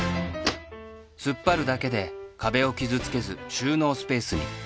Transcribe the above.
突っ張るだけで壁を傷つけず収納スペースに